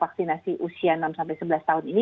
vaksinasi usia enam sebelas tahun ini